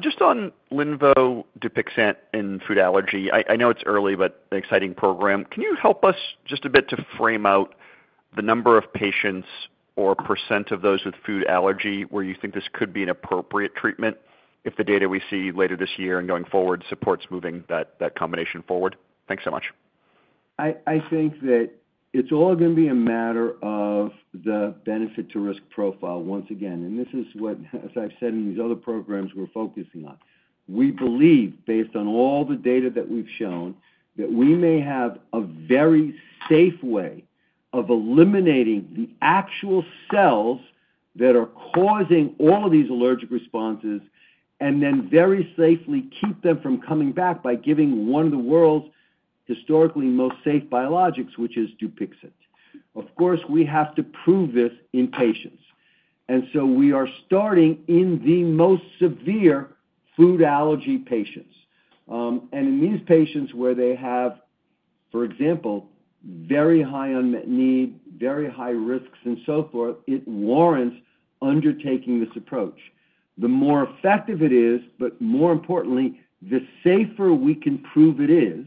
Just on linvoseltamab and food allergy, I know it's early, but an exciting program. Can you help us just a bit to frame out the number of patients or % of those with food allergy where you think this could be an appropriate treatment if the data we see later this year and going forward supports moving that combination forward? Thanks so much. I think that it's all going to be a matter of the benefit-to-risk profile once again. And this is what, as I've said in these other programs, we're focusing on. We believe, based on all the data that we've shown, that we may have a very safe way of eliminating the actual cells that are causing all of these allergic responses and then very safely keep them from coming back by giving one of the world's historically most safe biologics, which is Dupixent. Of course, we have to prove this in patients. And in these patients where they have, for example, very high unmet need, very high risks, and so forth, it warrants undertaking this approach. The more effective it is, but more importantly, the safer we can prove it is,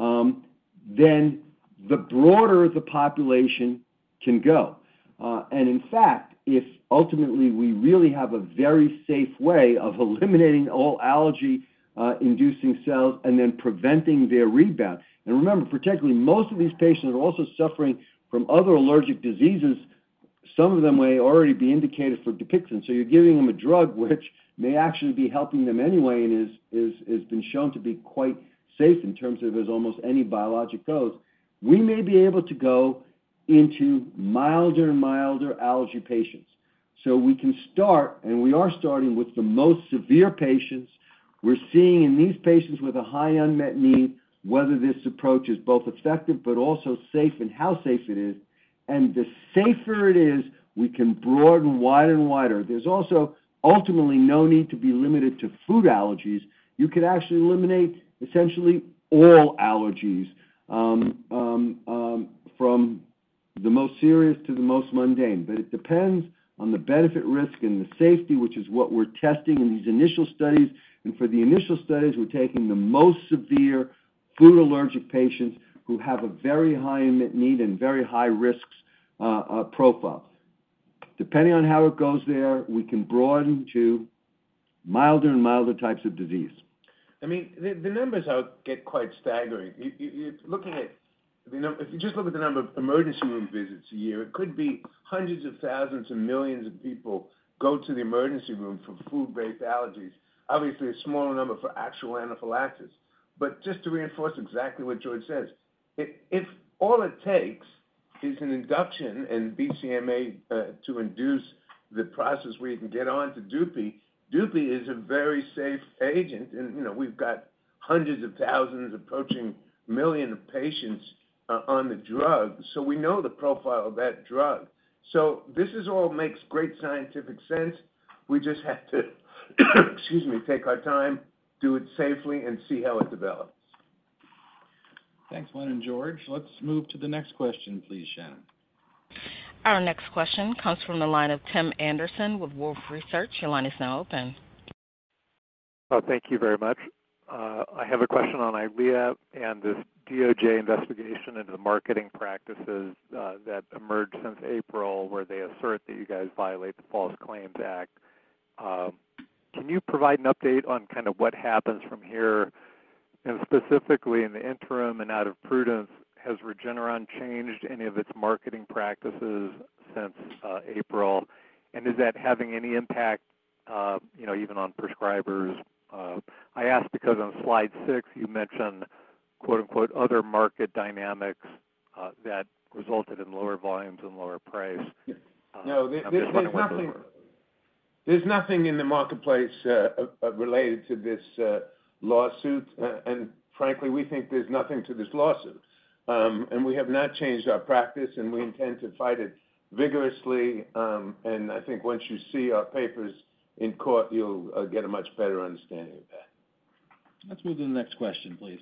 then the broader the population can go. And in fact, if ultimately we really have a very safe way of eliminating all allergy-inducing cells and then preventing their rebound. Remember, particularly most of these patients are also suffering from other allergic diseases. Some of them may already be indicated for Dupixent. You're giving them a drug which may actually be helping them anyway and has been shown to be quite safe in terms of as almost any biologic goes. We may be able to go into milder and milder allergy patients. We can start, and we are starting with the most severe patients. We're seeing in these patients with a high unmet need whether this approach is both effective but also safe and how safe it is. And the safer it is, we can broaden wider and wider. There's also ultimately no need to be limited to food allergies. You can actually eliminate essentially all allergies from the most serious to the most mundane. But it depends on the benefit-risk and the safety, which is what we're testing in these initial studies. And for the initial studies, we're taking the most severe food allergic patients who have a very high unmet need and very high risk profile. Depending on how it goes there, we can broaden to milder and milder types of disease. I mean, the numbers are getting quite staggering. If you just look at the number of emergency room visits a year, it could be hundreds of thousands and millions of people go to the emergency room for food-based allergies. Obviously, a smaller number for actual anaphylaxis. But just to reinforce exactly what George says, if all it takes is an induction and BCMA to induce the process where you can get on to Dupi, Dupi is a very safe agent. And we've got hundreds of thousands, approaching millions, of patients on the drug. So we know the profile of that drug. So this all makes great scientific sense. We just have to, excuse me, take our time, do it safely, and see how it develops. Thanks, Len and George. Let's move to the next question, please, Shannon. Our next question comes from the line of Tim Anderson with Wolfe Research. Your line is now open. Thank you very much. I have a question on Eylea and this DOJ investigation into the marketing practices that emerged since April where they assert that you guys violate the False Claims Act. Can you provide an update on kind of what happens from here? And specifically, in the interim and out of prudence, has Regeneron changed any of its marketing practices since April? And is that having any impact even on prescribers? I ask because on slide six, you mentioned "other market dynamics" that resulted in lower volumes and lower price. No, there's nothing in the marketplace related to this lawsuit. And frankly, we think there's nothing to this lawsuit. And we have not changed our practice, and we intend to fight it vigorously. And I think once you see our papers in court, you'll get a much better understanding of that. Let's move to the next question, please.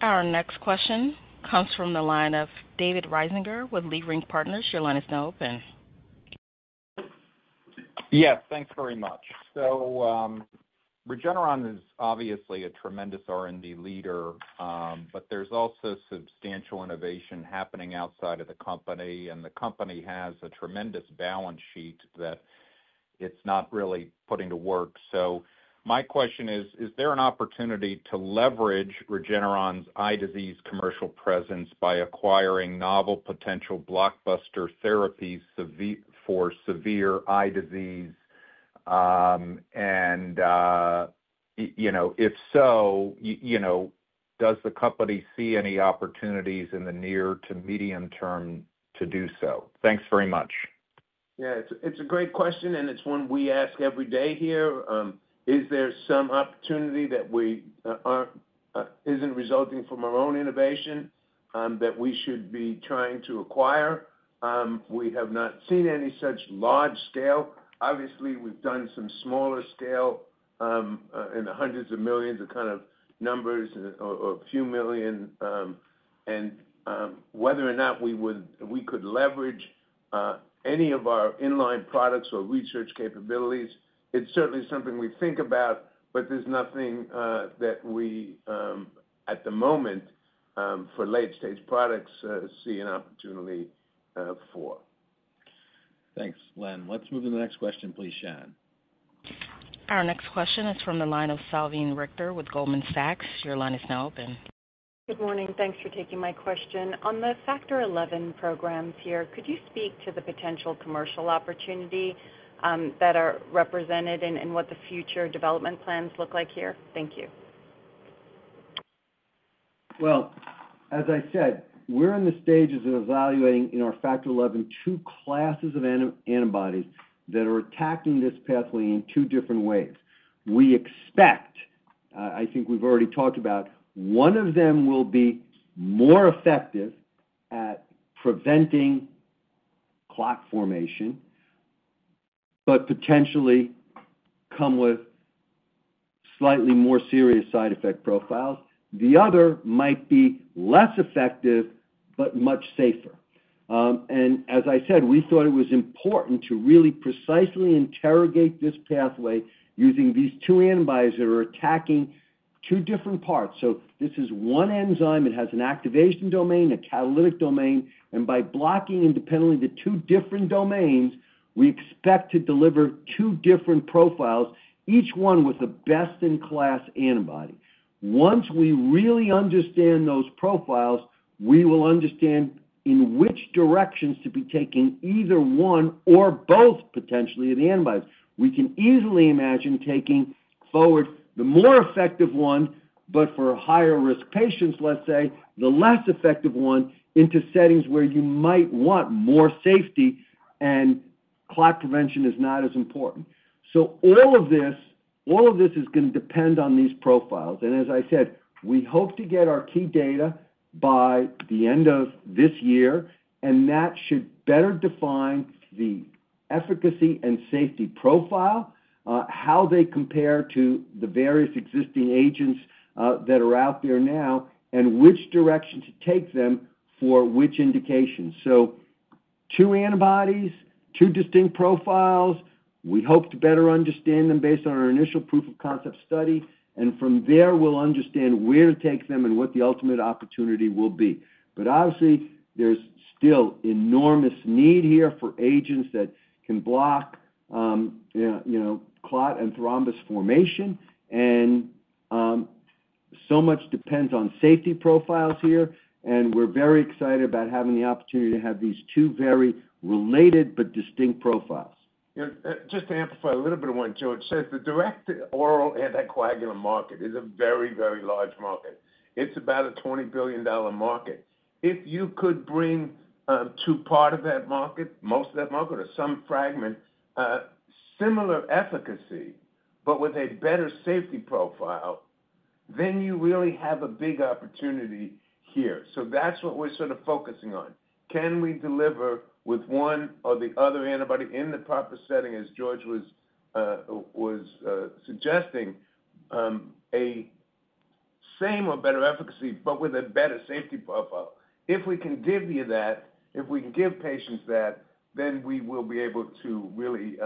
Our next question comes from the line of David Risinger with Leerink Partners. Your line is now open. Yes, thanks very much. So Regeneron is obviously a tremendous R&D leader, but there's also substantial innovation happening outside of the company. And the company has a tremendous balance sheet that it's not really putting to work. So my question is, is there an opportunity to leverage Regeneron's eye disease commercial presence by acquiring novel potential blockbuster therapies for severe eye disease? And if so, does the company see any opportunities in the near to medium term to do so? Thanks very much. Yeah, it's a great question, and it's one we ask every day here. Is there some opportunity that isn't resulting from our own innovation that we should be trying to acquire? We have not seen any such large scale. Obviously, we've done some smaller scale in the hundreds of millions of kind of numbers or a few million. And whether or not we could leverage any of our inline products or research capabilities, it's certainly something we think about, but there's nothing that we, at the moment, for late-stage products, see an opportunity for. Thanks, Len. Let's move to the next question, please, Shannon. Our next question is from the line of Salveen Richter with Goldman Sachs. Your line is now open. Good morning. Thanks for taking my question. On the Factor XI programs here, could you speak to the potential commercial opportunity that are represented and what the future development plans look like here? Thank you. Well, as I said, we're in the stages of evaluating in our Factor XI two classes of antibodies that are attacking this pathway in two different ways. We expect, I think we've already talked about, one of them will be more effective at preventing clot formation, but potentially come with slightly more serious side effect profiles. The other might be less effective, but much safer. And as I said, we thought it was important to really precisely interrogate this pathway using these two antibodies that are attacking two different parts. So this is one enzyme. It has an activation domain, a catalytic domain. By blocking independently the two different domains, we expect to deliver two different profiles, each one with the best-in-class antibody. Once we really understand those profiles, we will understand in which directions to be taking either one or both potentially of the antibodies. We can easily imagine taking forward the more effective one, but for higher-risk patients, let's say, the less effective one into settings where you might want more safety and clot prevention is not as important. All of this is going to depend on these profiles. As I said, we hope to get our key data by the end of this year, and that should better define the efficacy and safety profile, how they compare to the various existing agents that are out there now, and which direction to take them for which indications. Two antibodies, two distinct profiles. We hope to better understand them based on our initial proof-of-concept study. From there, we'll understand where to take them and what the ultimate opportunity will be. But obviously, there's still enormous need here for agents that can block clot and thrombus formation. So much depends on safety profiles here. We're very excited about having the opportunity to have these two very related but distinct profiles. Just to amplify a little bit of what George says, the direct oral anticoagulant market is a very, very large market. It's about a $20 billion market. If you could bring to part of that market, most of that market, or some fragment, similar efficacy, but with a better safety profile, then you really have a big opportunity here. That's what we're sort of focusing on. Can we deliver with one or the other antibody in the proper setting, as George was suggesting, a same or better efficacy, but with a better safety profile? If we can give you that, if we can give patients that, then we will be able to really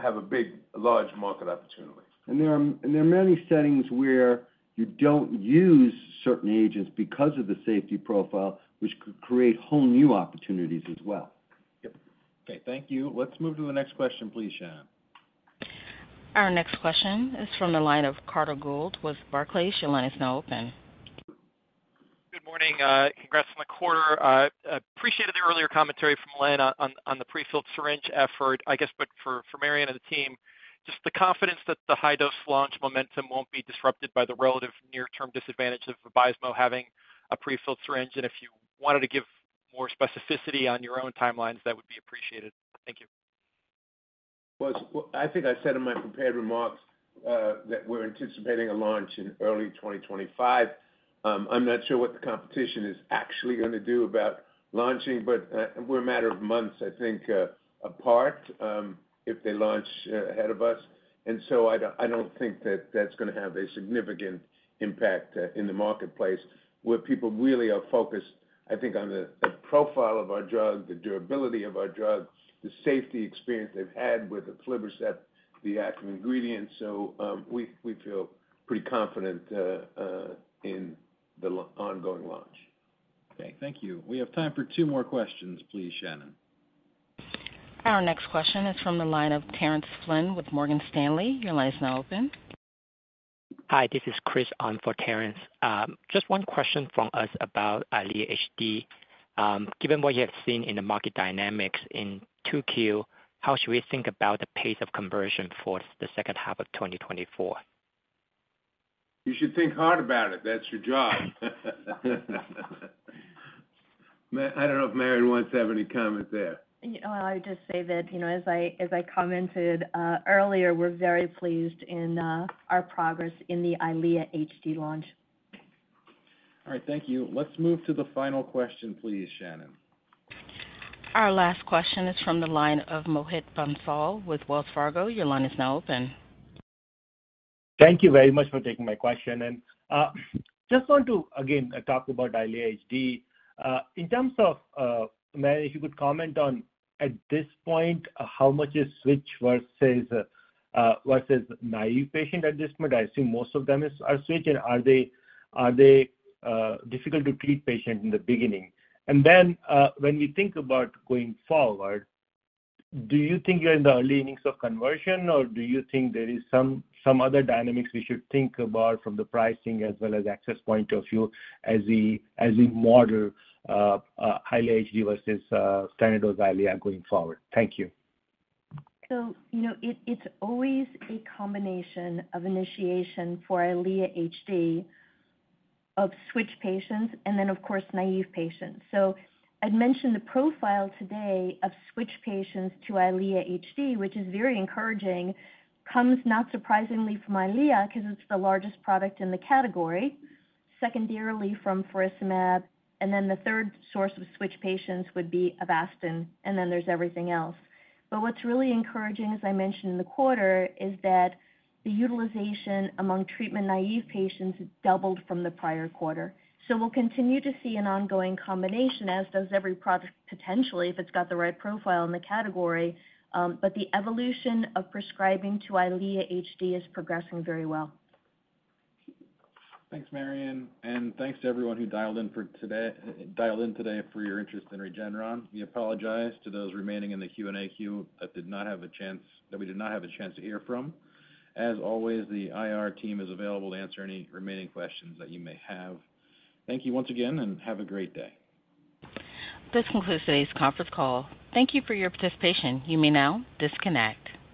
have a large market opportunity. And there are many settings where you don't use certain agents because of the safety profile, which could create whole new opportunities as well. Yep. Okay. Thank you. Let's move to the next question, please, Shannon. Our next question is from the line of Carter Gould with Barclays. Your line is now open. Good morning. Congrats on the quarter. I appreciated the earlier commentary from Len on the prefilled syringe effort. I guess, but for Marion and the team, just the confidence that the high-dose launch momentum won't be disrupted by the relative near-term disadvantage of Vabysmo having a prefilled syringe. And if you wanted to give more specificity on your own timelines, that would be appreciated. Thank you. Well, I think I said in my prepared remarks that we're anticipating a launch in early 2025. I'm not sure what the competition is actually going to do about launching, but we're a matter of months, I think, apart if they launch ahead of us. And so I don't think that that's going to have a significant impact in the marketplace where people really are focused, I think, on the profile of our drug, the durability of our drug, the safety experience they've had with the aflibercept, the active ingredient. So we feel pretty confident in the ongoing launch. Okay. Thank you. We have time for two more questions, please, Shannon. Our next question is from the line of Terrence Flynn with Morgan Stanley. Your line is now open. Hi. This is Chris on for Terrence. Just one question from us about Eylea HD. Given what you have seen in the market dynamics in Q2, how should we think about the pace of conversion for the second half of 2024? You should think hard about it. That's your job. I don't know if Marion wants to have any comment there. I would just say that, as I commented earlier, we're very pleased in our progress in the Eylea HD launch. All right. Thank you. Let's move to the final question, please, Shannon. Our last question is from the line of Mohit Bansal with Wells Fargo. Your line is now open. Thank you very much for taking my question. I just want to, again, talk about Eylea HD. In terms of, Marion, if you could comment on, at this point, how much is switch versus naive patient at this point? I assume most of them are switch. And are they difficult-to-treat patients in the beginning? And then when we think about going forward, do you think you're in the early innings of conversion, or do you think there are some other dynamics we should think about from the pricing as well as access point of view as we model Eylea HD versus standard dose Eylea going forward? Thank you. It's always a combination of initiation for Eylea HD of switch patients and then, of course, naive patients. So I'd mentioned the profile today of switch patients to Eylea HD, which is very encouraging, comes not surprisingly from Eylea because it's the largest product in the category, secondarily from faricimab. And then the third source of switch patients would be Avastin. And then there's everything else. But what's really encouraging, as I mentioned in the quarter, is that the utilization among treatment naive patients doubled from the prior quarter. So we'll continue to see an ongoing combination, as does every product potentially if it's got the right profile in the category. But the evolution of prescribing to Eylea HD is progressing very well. Thanks, Marion. And thanks to everyone who dialed in today for your interest in Regeneron. We apologize to those remaining in the Q&A queue that we did not have a chance to hear from. As always, the IR team is available to answer any remaining questions that you may have. Thank you once again, and have a great day. This concludes today's conference call. Thank you for your participation. You may now disconnect.